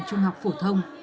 trung học phổ thông